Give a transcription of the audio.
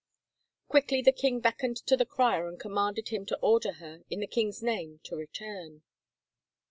Quickly the king beckoned to the crier and commanded him to order her, in the king's name, to return.